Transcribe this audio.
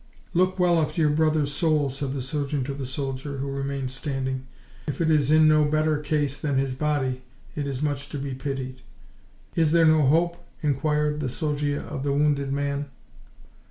"Look well after your brother's soul," said the surgeon to the soldier, who remained standing; "if it is in no better case than his body, it is much to be pitied." "Is there no hope?" inquired the Sosia of the wounded man.